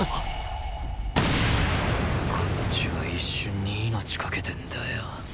こっちは一瞬に命懸けてんだよ。